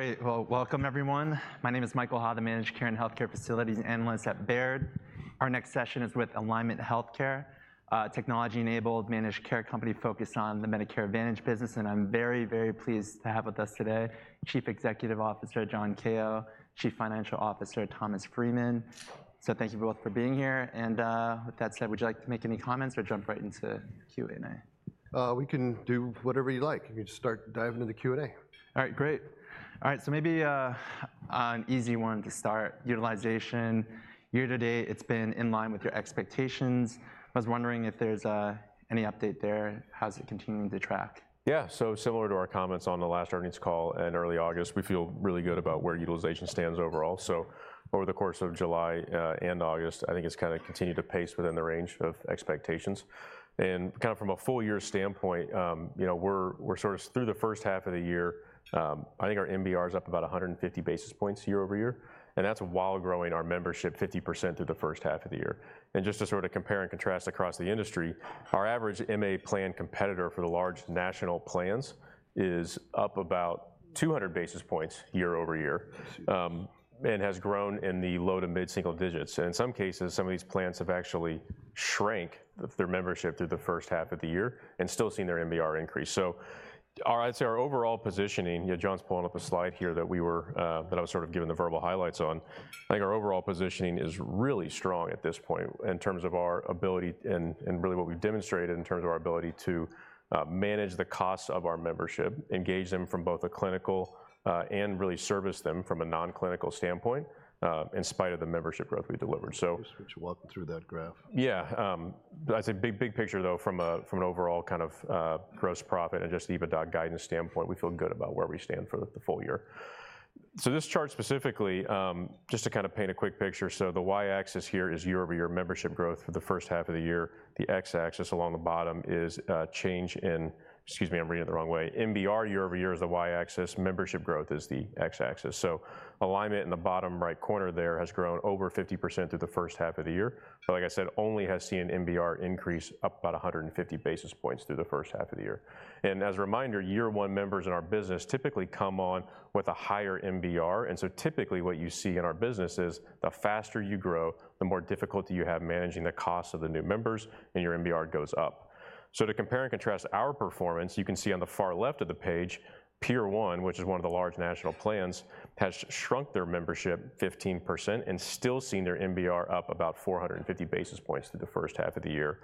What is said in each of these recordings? Great. Well, welcome everyone. My name is Michael Ha, the Managed Care and Healthcare Facilities Analyst at Baird. Our next session is with Alignment Healthcare, technology-enabled managed care company focused on the Medicare Advantage business, and I'm very, very pleased to have with us today Chief Executive Officer John Kao, Chief Financial Officer Thomas Freeman. So thank you both for being here, and, with that said, would you like to make any comments or jump right into Q&A? We can do whatever you like. We can just start diving into the Q&A. All right, great. All right, so maybe an easy one to start: utilization. Year-to-date, it's been in line with your expectations. I was wondering if there's any update there. How's it continuing to track? Yeah, so similar to our comments on the last earnings call in early August, we feel really good about where utilization stands overall. So over the course of July and August, I think it's kind of continued to pace within the range of expectations. And kind of from a full year standpoint, you know, we're sort of through the first half of the year. I think our MBR is up about a hundred and fifty basis points year over year, and that's while growing our membership 50% through the first half of the year. And just to sort of compare and contrast across the industry, our average MA plan competitor for the large national plans is up about two hundred basis points year over year, and has grown in the low to mid-single digits. In some cases, some of these plans have actually shrank their membership through the first half of the year and still seen their MBR increase. So our, I'd say our overall positioning, yeah, just pulling up a slide here that I was sort of giving the verbal highlights on. I think our overall positioning is really strong at this point in terms of our ability and really what we've demonstrated in terms of our ability to manage the costs of our membership, engage them from both a clinical and really service them from a non-clinical standpoint, in spite of the membership growth we delivered so- Just walk through that graph. Yeah, that's a big, big picture, though, from an overall kind of gross profit and just EBITDA guidance standpoint, we feel good about where we stand for the full year. So this chart specifically, just to kind of paint a quick picture, so the Y-axis here is year-over-year membership growth for the first half of the year. The X-axis along the bottom is MBR year over year is the Y-axis, membership growth is the X-axis. So Alignment in the bottom right corner there has grown over 50% through the first half of the year, so like I said, only has seen MBR increase up about 150 basis points through the first half of the year. As a reminder, year one members in our business typically come on with a higher MBR, and so typically what you see in our business is the faster you grow, the more difficulty you have managing the cost of the new members, and your MBR goes up. So to compare and contrast our performance, you can see on the far left of the page, Peer One, which is one of the large national plans, has shrunk their membership 15% and still seen their MBR up about 450 basis points through the first half of the year.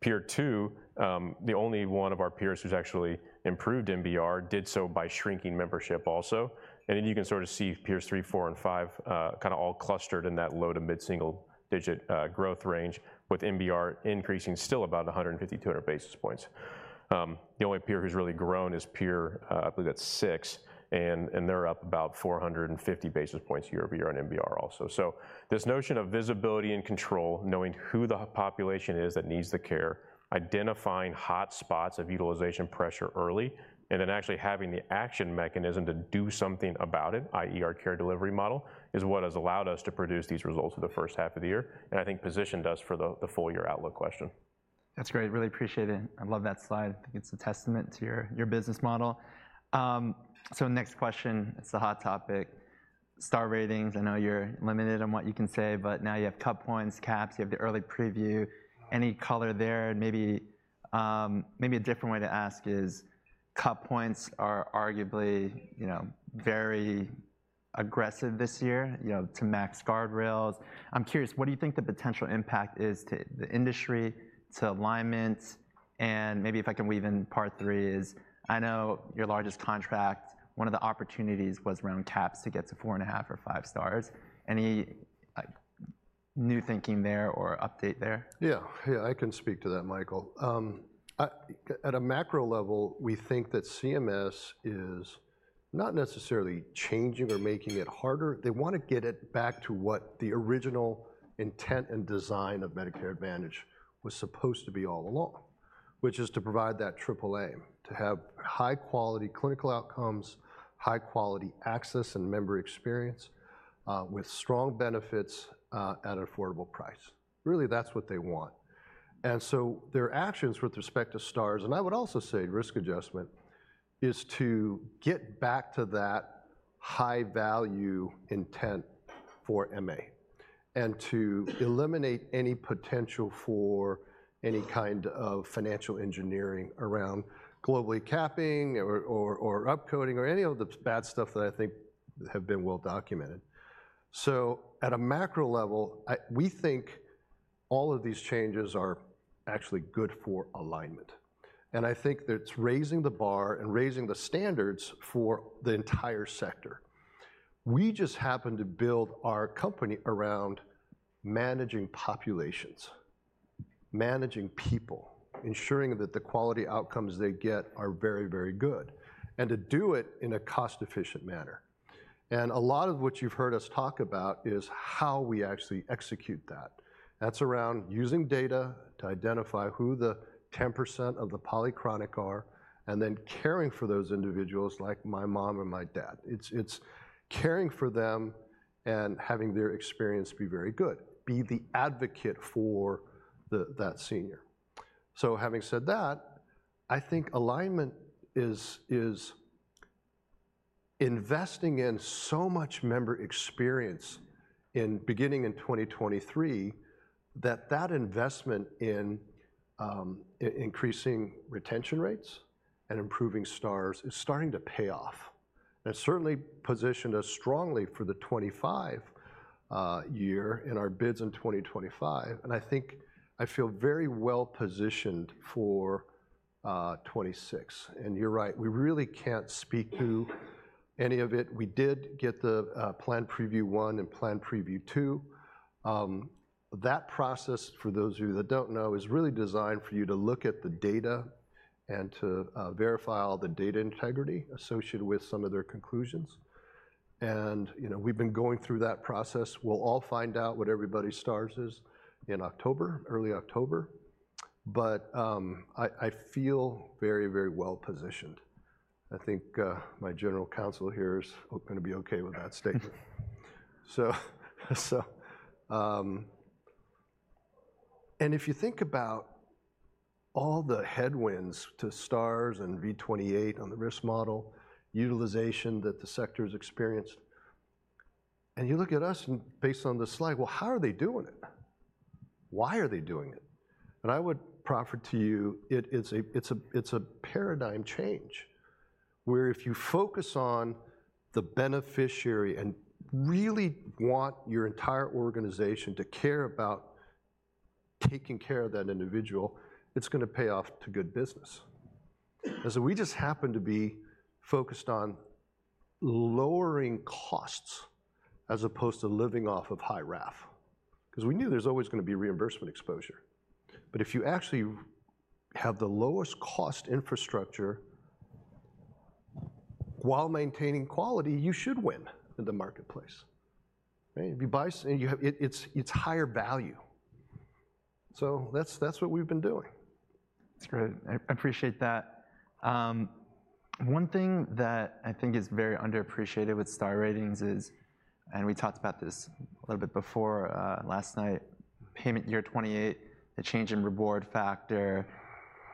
Peer Two, the only one of our peers who's actually improved MBR, did so by shrinking membership also, and then you can sort of see Peers Three, Four, and Five, kinda all clustered in that low to mid-single digit growth range, with MBR increasing still about 150-200 basis points. The only peer who's really grown is Peer, I believe that's Six, and they're up about 450 basis points year over year on MBR also. So this notion of visibility and control, knowing who the population is that needs the care, identifying hot spots of utilization pressure early, and then actually having the action mechanism to do something about it, i.e., our care delivery model, is what has allowed us to produce these results for the first half of the year and I think positioned us for the full year outlook question. That's great. Really appreciate it. I love that slide. I think it's a testament to your, your business model. So next question, it's the hot topic, Star Ratings. I know you're limited on what you can say, but now you have Cut Points, caps, you have the early preview. Any color there? Maybe a different way to ask is, Cut Points are arguably, you know, very aggressive this year, you know, to max guardrails. I'm curious, what do you think the potential impact is to the industry, to Alignment, and maybe if I can weave in part three is, I know your largest contract, one of the opportunities was around caps to get to four and a half or five stars. Any new thinking there or update there? Yeah. Yeah, I can speak to that, Michael. I at a macro level, we think that CMS is not necessarily changing or making it harder, they wanna get it back to what the original intent and design of Medicare Advantage was supposed to be all along, which is to provide that Triple Aim, to have high-quality clinical outcomes, high-quality access and member experience, with strong benefits, at an affordable price. Really, that's what they want. And so their actions with respect to stars, and I would also say risk adjustment, is to get back to that high-value intent for MA and to eliminate any potential for any kind of financial engineering around globally capping or upcoding, or any of the bad stuff that I think have been well documented. So at a macro level, we think all of these changes are actually good for Alignment, and I think that it's raising the bar and raising the standards for the entire sector. We just happened to build our company around managing populations, managing people, ensuring that the quality outcomes they get are very, very good, and to do it in a cost-efficient manner. And a lot of what you've heard us talk about is how we actually execute that. That's around using data to identify who the 10% of the polychronic are, and then caring for those individuals, like my mom and my dad. It's caring for them and having their experience be very good, be the advocate for the, that senior.... So having said that, I think Alignment is investing in so much member experience beginning in 2023, that that investment in increasing retention rates and improving stars is starting to pay off. And it certainly positioned us strongly for the 2025 year in our bids in 2025, and I think I feel very well positioned for 2026. And you're right, we really can't speak to any of it. We did get the plan preview one and plan preview two. That process, for those of you that don't know, is really designed for you to look at the data and to verify all the data integrity associated with some of their conclusions. And, you know, we've been going through that process. We'll all find out what everybody stars is in October, early October, but I feel very, very well positioned. I think my general counsel here is gonna be okay with that statement. And if you think about all the headwinds to stars and V28 on the risk model, utilization that the sector's experienced, and you look at us and based on this slide, well, how are they doing it? Why are they doing it? And I would proffer to you, it is a paradigm change, where if you focus on the beneficiary and really want your entire organization to care about taking care of that individual, it's gonna pay off to good business. And so we just happen to be focused on lowering costs as opposed to living off of high RAF, 'cause we knew there's always gonna be reimbursement exposure. But if you actually have the lowest cost infrastructure while maintaining quality, you should win in the marketplace. Right? If you buy SNPS and you have... It's higher value. So that's what we've been doing. That's great. I, I appreciate that. One thing that I think is very underappreciated with Star Ratings is, and we talked about this a little bit before, last night, payment year 2028, the change in reward factor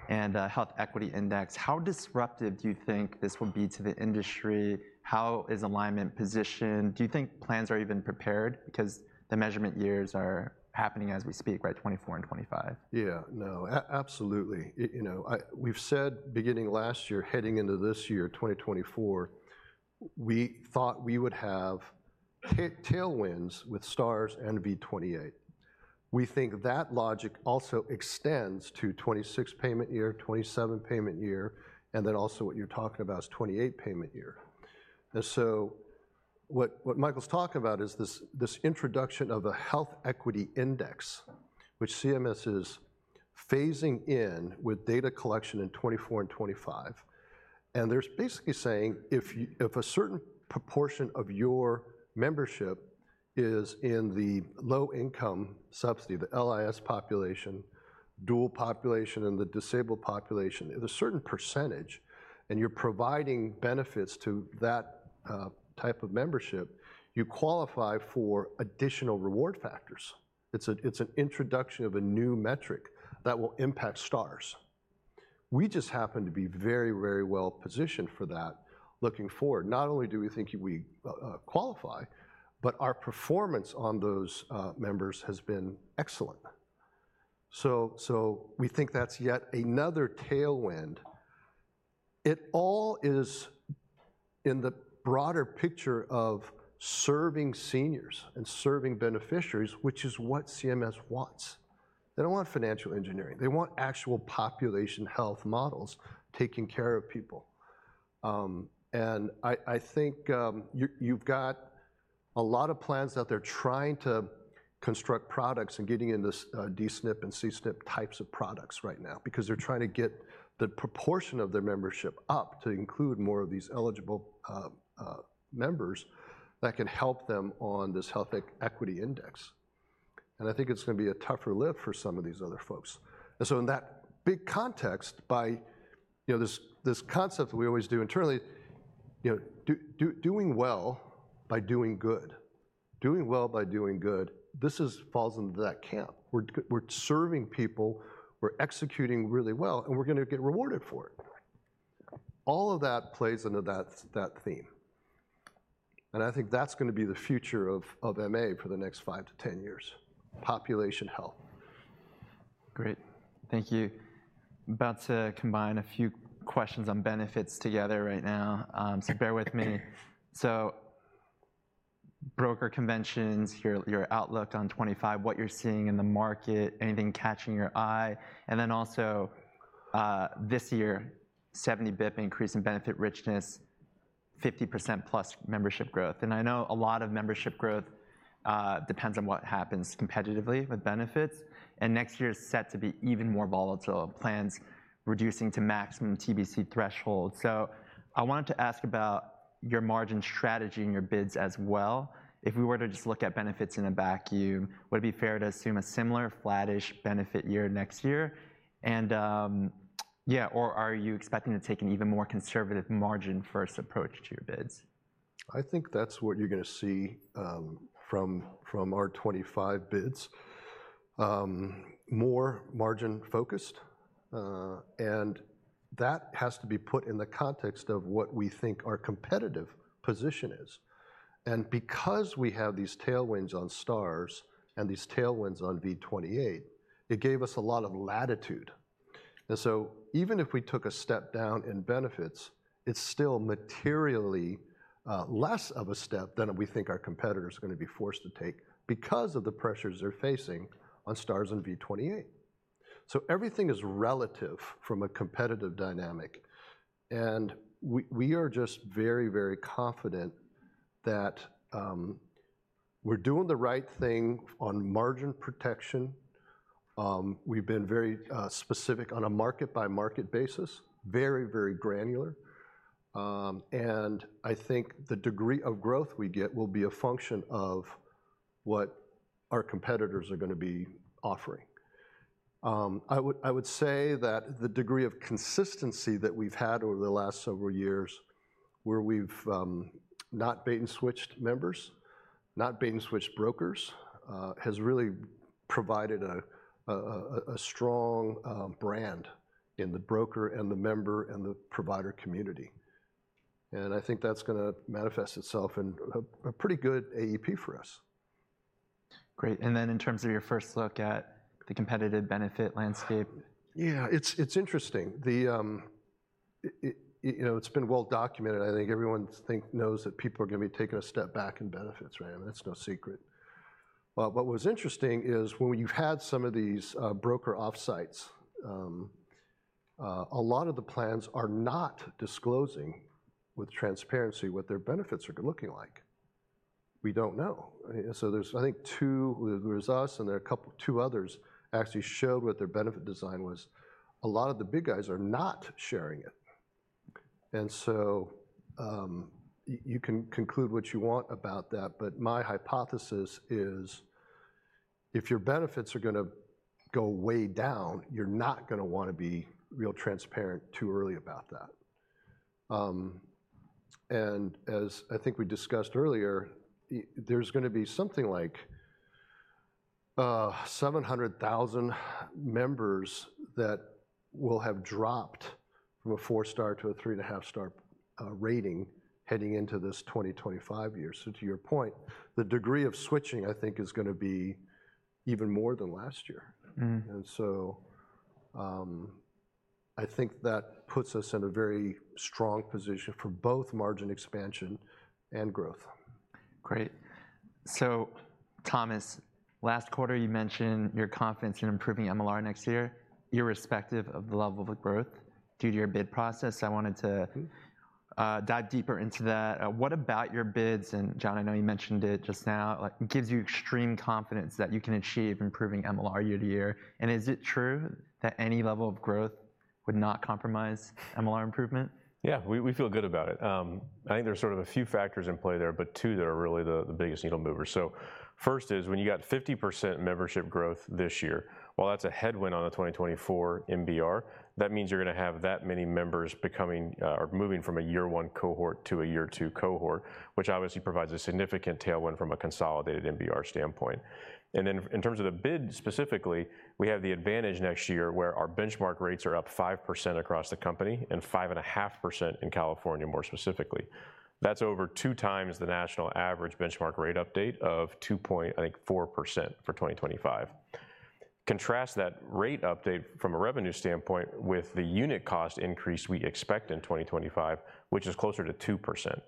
and, Health Equity Index, how disruptive do you think this will be to the industry? How is Alignment positioned? Do you think plans are even prepared? Because the measurement years are happening as we speak, right, 2024 and 2025. Yeah. No, absolutely. You know, we've said beginning last year, heading into this year, 2024, we thought we would have tailwinds with Stars and V28. We think that logic also extends to 2026 payment year, 2027 payment year, and then also what you're talking about is 2028 payment year. And so what Michael's talking about is this introduction of a Health Equity Index, which CMS is phasing in with data collection in 2024 and 2025. And they're basically saying, if a certain proportion of your membership is in the low-income subsidy, the LIS population, dual population, and the disabled population, there's a certain percentage, and you're providing benefits to that type of membership, you qualify for additional reward factors. It's an introduction of a new metric that will impact Stars. We just happen to be very, very well positioned for that looking forward. Not only do we think we qualify, but our performance on those members has been excellent. So we think that's yet another tailwind. It all is in the broader picture of serving seniors and serving beneficiaries, which is what CMS wants. They don't want financial engineering. They want actual population health models taking care of people. And I think you've got a lot of plans that they're trying to construct products and getting into D-SNP and C-SNP types of products right now, because they're trying to get the proportion of their membership up to include more of these eligible members that can help them on this health equity index. And I think it's gonna be a tougher lift for some of these other folks. And so in that big context, you know, this concept that we always do internally, you know, doing well by doing good. Doing well by doing good, this falls into that camp. We're serving people, we're executing really well, and we're gonna get rewarded for it. All of that plays into that theme, and I think that's gonna be the future of MA for the next five to ten years: population health. Great. Thank you. About to combine a few questions on benefits together right now, so bear with me. So broker conventions, your outlook on 2025, what you're seeing in the market, anything catching your eye? And then also, this year, 70 basis points increase in benefit richness, 50% plus membership growth. And I know a lot of membership growth depends on what happens competitively with benefits, and next year is set to be even more volatile, plans reducing to maximum TBC threshold. So I wanted to ask about your margin strategy and your bids as well. If we were to just look at benefits in a vacuum, would it be fair to assume a similar flattish benefit year next year? And yeah, or are you expecting to take an even more conservative margin-first approach to your bids? I think that's what you're gonna see from our 2025 bids. More margin-focused, and that has to be put in the context of what we think our competitive position is. And because we have these tailwinds on Stars and these tailwinds on V28, it gave us a lot of latitude, and so even if we took a step down in benefits, it's still materially less of a step than we think our competitors are gonna be forced to take because of the pressures they're facing on Stars and V28. So everything is relative from a competitive dynamic, and we are just very, very confident that we're doing the right thing on margin protection. We've been very specific on a market-by-market basis, very, very granular. And I think the degree of growth we get will be a function of what our competitors are gonna be offering. I would say that the degree of consistency that we've had over the last several years, where we've not bait-and-switched members, not bait-and-switched brokers, has really provided a strong brand in the broker and the member and the provider community, and I think that's gonna manifest itself in a pretty good AEP for us. Great, and then in terms of your first look at the competitive benefit landscape? Yeah, it's interesting. The, you know, it's been well documented, I think everyone knows that people are gonna be taking a step back in benefits, right? I mean, that's no secret. What was interesting is when you've had some of these broker off-sites, a lot of the plans are not disclosing with transparency what their benefits are looking like. We don't know. So there's, I think, two. Well, there's us, and there are a couple, two others actually showed what their benefit design was. A lot of the big guys are not sharing it, and so you can conclude what you want about that, but my hypothesis is, if your benefits are gonna go way down, you're not gonna wanna be real transparent too early about that. and as I think we discussed earlier, there's gonna be something like, seven hundred thousand members that will have dropped from a four-star to a three-and-a-half-star, rating heading into this 2025 year. So to your point, the degree of switching, I think, is gonna be even more than last year. Mm-hmm. And so, I think that puts us in a very strong position for both margin expansion and growth. Great. So, Thomas, last quarter, you mentioned your confidence in improving MLR next year, irrespective of the level of growth due to your bid process. I wanted to- Mm-hmm... dive deeper into that. What about your bids, and, John, I know you mentioned it just now, like, gives you extreme confidence that you can achieve improving MLR year to year? And is it true that any level of growth would not compromise MLR improvement? Yeah, we feel good about it. I think there's sort of a few factors in play there, but two that are really the biggest needle movers. First is when you got 50% membership growth this year, while that's a headwind on the 2024 MBR, that means you're gonna have that many members becoming or moving from a year one cohort to a year two cohort, which obviously provides a significant tailwind from a consolidated MBR standpoint. And then in terms of the bid specifically, we have the advantage next year, where our benchmark rates are up 5% across the company and 5.5% in California, more specifically. That's over two times the national average benchmark rate update of 2.4%, I think, for 2025. Contrast that rate update from a revenue standpoint with the unit cost increase we expect in 2025, which is closer to 2%,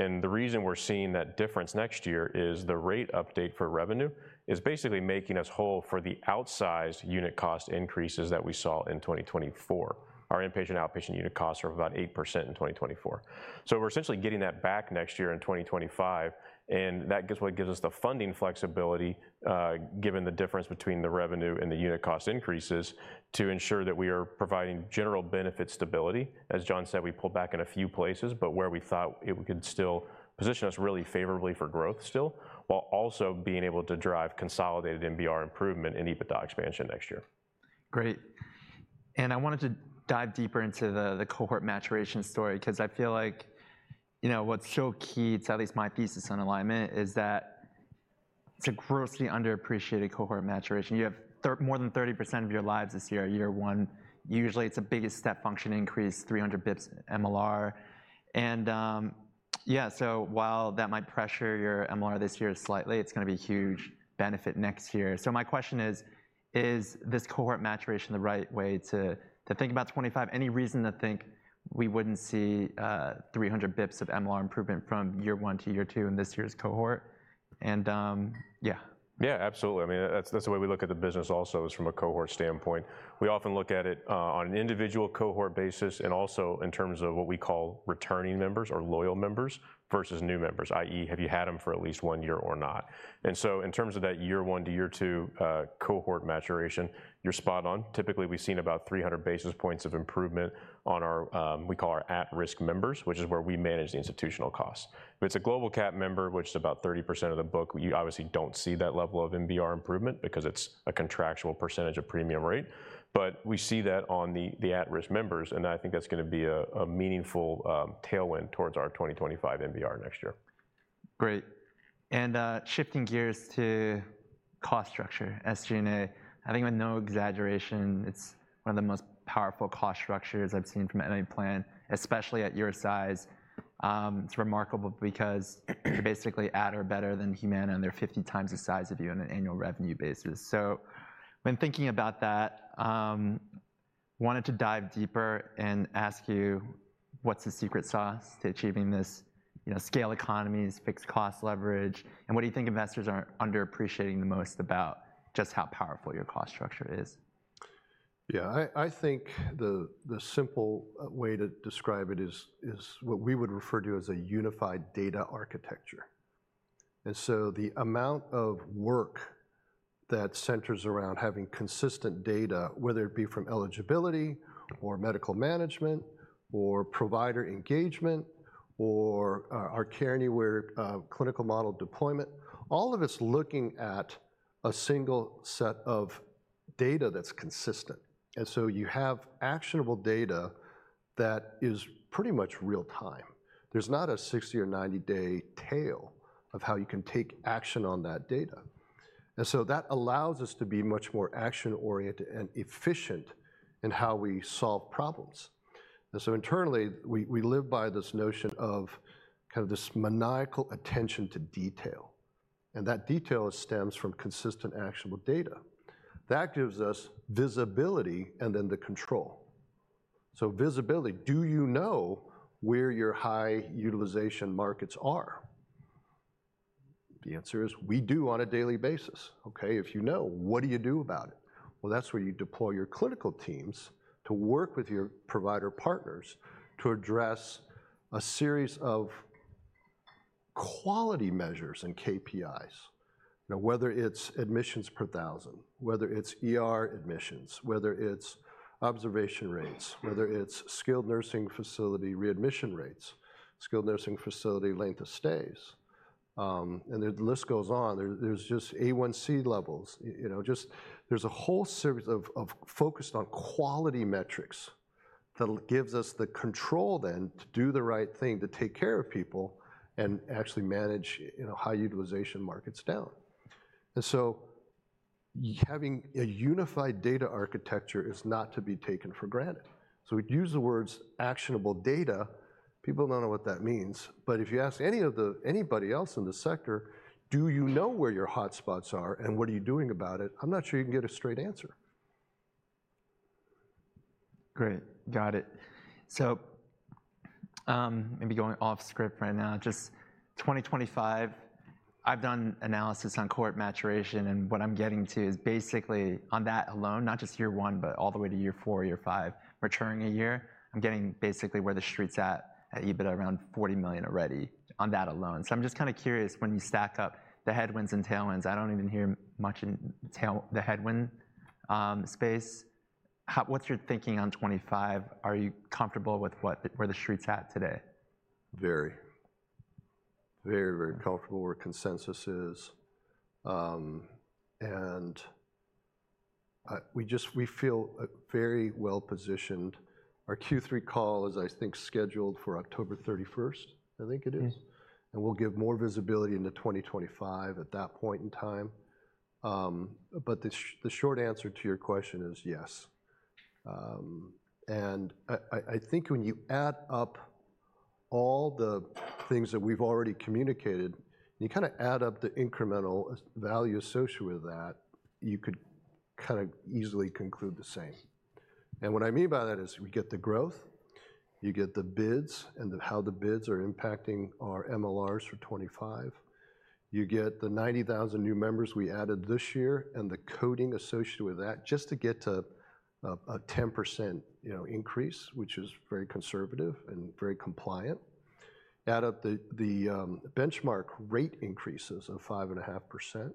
and the reason we're seeing that difference next year is the rate update for revenue is basically making us whole for the outsized unit cost increases that we saw in 2024. Our inpatient, outpatient unit costs are about 8% in 2024. So we're essentially getting that back next year in 2025, and that gives us the funding flexibility, given the difference between the revenue and the unit cost increases, to ensure that we are providing general benefit stability. As John said, we pulled back in a few places, but where we thought it could still position us really favorably for growth still, while also being able to drive consolidated MBR improvement and EBITDA expansion next year. Great, and I wanted to dive deeper into the cohort maturation story 'cause I feel like, you know, what's so key to at least my thesis on Alignment, is that it's a grossly underappreciated cohort maturation. You have more than 30% of your lives this year, year one, usually it's the biggest step function increase, 300 basis points MLR. And, so while that might pressure your MLR this year slightly, it's gonna be a huge benefit next year. So my question is: Is this cohort maturation the right way to think about 2025? Any reason to think we wouldn't see 300 basis points of MLR improvement from year one to year two in this year's cohort? And. Yeah, absolutely. I mean, that's, that's the way we look at the business also is from a cohort standpoint. We often look at it on an individual cohort basis, and also in terms of what we call returning members or loyal members versus new members, i.e., have you had them for at least one year or not? And so in terms of that year one to year two cohort maturation, you're spot on. Typically, we've seen about three hundred basis points of improvement on our we call our at-risk members, which is where we manage the institutional costs. If it's a global cap member, which is about 30% of the book, you obviously don't see that level of MBR improvement because it's a contractual percentage of premium rate. But we see that on the at-risk members, and I think that's gonna be a meaningful tailwind towards our 2025 MBR next year.... Great. And, shifting gears to cost structure, SG&A. I think with no exaggeration, it's one of the most powerful cost structures I've seen from any plan, especially at your size. It's remarkable because you're basically at or better than Humana, and they're fifty times the size of you on an annual revenue basis. So when thinking about that, wanted to dive deeper and ask you, what's the secret sauce to achieving this? You know, scale economies, fixed cost leverage, and what do you think investors are underappreciating the most about just how powerful your cost structure is? Yeah, I think the simple way to describe it is what we would refer to as a unified data architecture. And so the amount of work that centers around having consistent data, whether it be from eligibility or medical management or provider engagement or our Care Anywhere clinical model deployment, all of it's looking at a single set of data that's consistent, and so you have actionable data that is pretty much real time. There's not a sixty or ninety-day tail of how you can take action on that data, and so that allows us to be much more action-oriented and efficient in how we solve problems. And so internally, we live by this notion of kind of this maniacal attention to detail, and that detail stems from consistent, actionable data. That gives us visibility and then the control. So visibility, do you know where your high-utilization markets are? The answer is, we do on a daily basis, okay? If you know, what do you do about it? Well, that's where you deploy your clinical teams to work with your provider partners to address a series of quality measures and KPIs. Now, whether it's admissions per thousand, whether it's ER admissions, whether it's observation rates, whether it's skilled nursing facility readmission rates, skilled nursing facility length of stays, and the list goes on. There, there's just A1C levels, you know, just there's a whole series of, of focused on quality metrics that'll gives us the control then to do the right thing, to take care of people and actually manage, you know, high-utilization markets down. And so having a unified data architecture is not to be taken for granted. So we'd use the words actionable data. People don't know what that means, but if you ask anybody else in the sector, "Do you know where your hotspots are, and what are you doing about it?" I'm not sure you'd get a straight answer. Great, got it. So, maybe going off script right now, just twenty twenty-five, I've done analysis on cohort maturation, and what I'm getting to is basically, on that alone, not just year one, but all the way to year four, year five, maturing a year, I'm getting basically where the street's at, at EBITDA, around $40 million already on that alone. So I'm just kind of curious, when you stack up the headwinds and tailwinds, I don't even hear much in tailwind, the headwind space. What's your thinking on twenty-five? Are you comfortable with where the street's at today? Very, very comfortable where consensus is. And we feel very well positioned. Our Q3 call is, I think, scheduled for October 31. I think it is. Mm-hmm. And we'll give more visibility into 2025 at that point in time. But the short answer to your question is yes. And I think when you add up all the things that we've already communicated, and you kind of add up the incremental value associated with that, you could kind of easily conclude the same. And what I mean by that is, we get the growth, you get the bids, and how the bids are impacting our MLRs for twenty-five. You get the 90,000 new members we added this year, and the coding associated with that, just to get to a 10%, you know, increase, which is very conservative and very compliant. Add up the benchmark rate increases of 5.5%.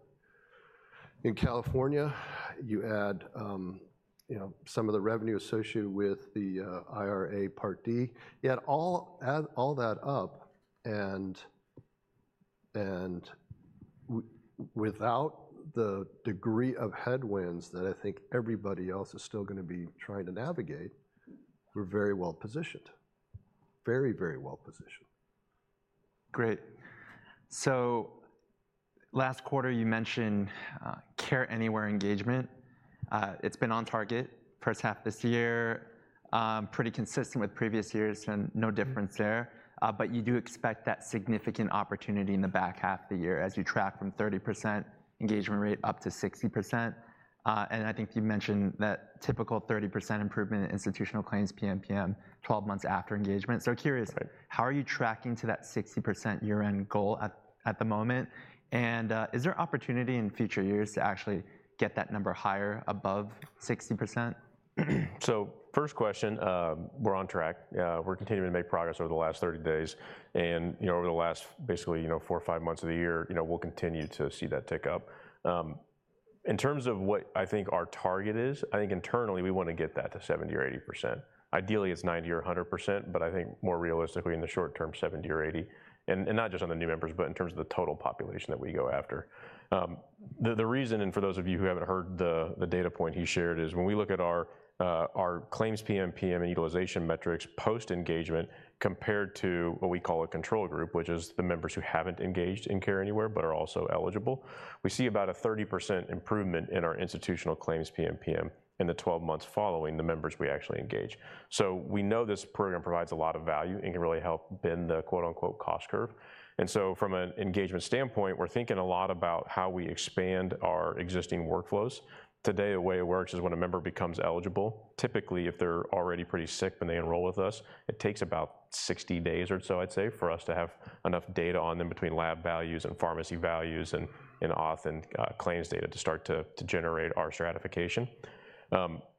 In California, you add, you know, some of the revenue associated with the, IRA Part D. You add all that up, and without the degree of headwinds that I think everybody else is still gonna be trying to navigate, we're very well positioned. Very, very well positioned. Great. So last quarter, you mentioned, Care Anywhere engagement. It's been on target, first half this year, pretty consistent with previous years and no difference there. Mm-hmm. But you do expect that significant opportunity in the back half of the year as you track from 30% engagement rate up to 60%. And I think you mentioned that typical 30% improvement in institutional claims PMPM, 12 months after engagement. So curious- Right... how are you tracking to that 60% year-end goal at the moment? And, is there opportunity in future years to actually get that number higher, above 60%? So first question, we're on track. We're continuing to make progress over the last 30 days, and, you know, over the last, basically, you know, four or five months of the year, you know, we'll continue to see that tick up. In terms of what I think our target is, I think internally we want to get that to 70% or 80%. Ideally, it's 90% or 100%, but I think more realistically in the short term, 70% or 80%, and not just on the new members, but in terms of the total population that we go after. The reason, and for those of you who haven't heard the data point he shared, is when we look at our claims PMPM and utilization metrics, post-engagement, compared to what we call a control group, which is the members who haven't engaged in Care Anywhere but are also eligible, we see about a 30% improvement in our institutional claims PMPM in the 12 months following the members we actually engage. So we know this program provides a lot of value and can really help bend the, quote-unquote, "cost curve." And so from an engagement standpoint, we're thinking a lot about how we expand our existing workflows. Today, the way it works is when a member becomes eligible, typically, if they're already pretty sick when they enroll with us, it takes about sixty days or so, I'd say, for us to have enough data on them between lab values and pharmacy values and auth and claims data to start to generate our stratification.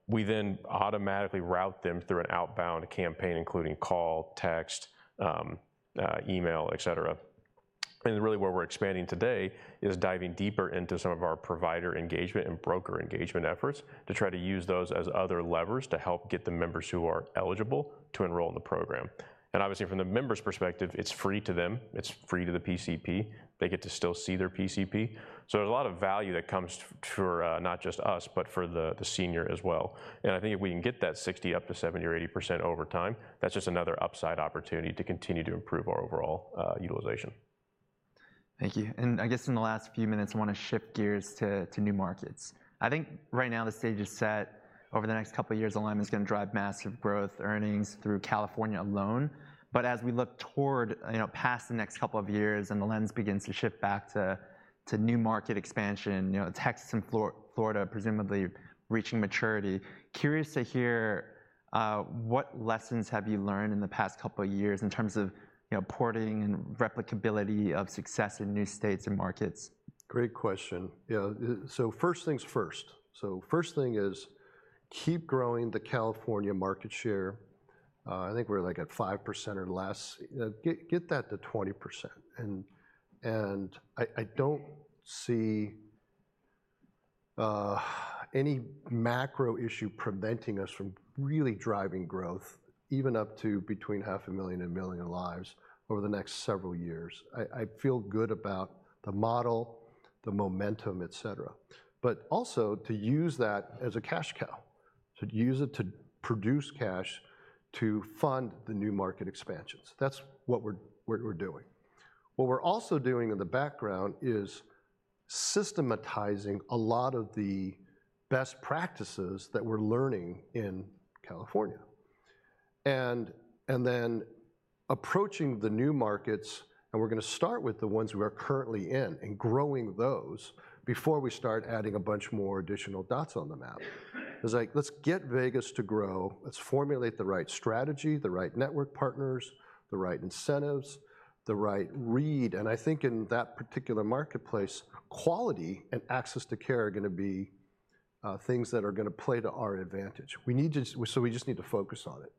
We then automatically route them through an outbound campaign, including call, text, email, etc. And really where we're expanding today is diving deeper into some of our provider engagement and broker engagement efforts to try to use those as other levers to help get the members who are eligible to enroll in the program. And obviously from the member's perspective, it's free to them, it's free to the PCP. They get to still see their PCP, so there's a lot of value that comes through for, not just us, but for the senior as well. I think if we can get that 60 up to 70 or 80% over time, that's just another upside opportunity to continue to improve our overall utilization. Thank you. And I guess in the last few minutes, I wanna shift gears to new markets. I think right now the stage is set. Over the next couple of years, Align is gonna drive massive growth, earnings through California alone. But as we look toward, you know, past the next couple of years and the lens begins to shift back to new market expansion, you know, Texas and Florida presumably reaching maturity, curious to hear what lessons have you learned in the past couple of years in terms of, you know, porting and replicability of success in new states and markets? Great question. Yeah, so first things first, so first thing is keep growing the California market share. I think we're, like, at 5% or less. You know, get that to 20%, and I don't see any macro issue preventing us from really driving growth even up to between 500,000 and 1 million lives over the next several years. I feel good about the model, the momentum, etcetera. But also, to use that as a cash cow, to use it to produce cash to fund the new market expansions. That's what we're doing. What we're also doing in the background is systematizing a lot of the best practices that we're learning in California and then approaching the new markets, and we're gonna start with the ones we are currently in and growing those before we start adding a bunch more additional dots on the map. It's like, let's get Vegas to grow. Let's formulate the right strategy, the right network partners, the right incentives, the right read, and I think in that particular marketplace, quality and access to care are gonna be things that are gonna play to our advantage. We need to so we just need to focus on it.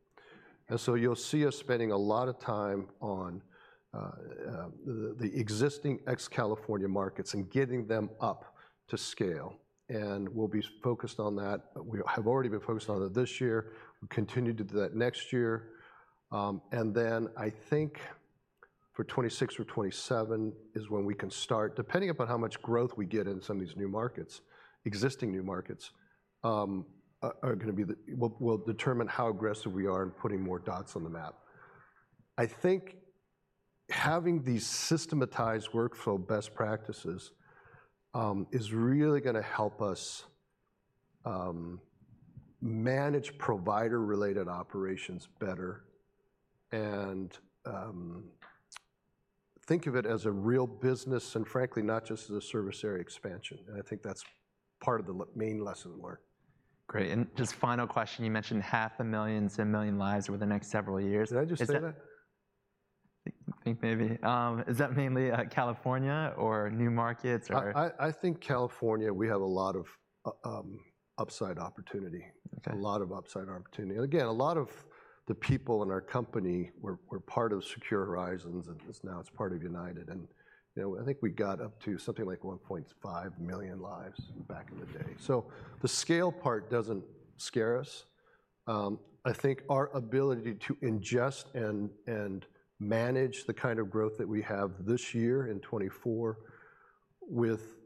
And so you'll see us spending a lot of time on the existing ex-California markets and getting them up to scale, and we'll be focused on that. We have already been focused on it this year. We continue to do that next year, and then I think for 2026 or 2027 is when we can start. Depending upon how much growth we get in some of these new markets, existing new markets, are gonna be the... Will determine how aggressive we are in putting more dots on the map. I think having these systematized workflow best practices is really gonna help us manage provider-related operations better and think of it as a real business and frankly, not just as a service area expansion, and I think that's part of the main lesson learned. Great, and just final question. You mentioned 500,000 to 1 million lives over the next several years. Did I just say that? I think maybe. Is that mainly, California, or new markets, or- I think California, we have a lot of upside opportunity. Okay. A lot of upside opportunity, and again, a lot of the people in our company were part of Secure Horizons, and it's now part of United. You know, I think we got up to something like 1.5 million lives back in the day. So the scale part doesn't scare us. I think our ability to ingest and manage the kind of growth that we have this year in 2024 with,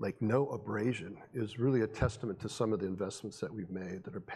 like, no abrasion is really a testament to some of the investments that we've made that are pay-